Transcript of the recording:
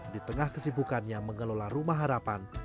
di tengah kesibukannya mengelola rumah harapan